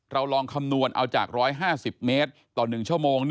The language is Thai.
ลองคำนวณเอาจาก๑๕๐เมตรต่อ๑ชั่วโมง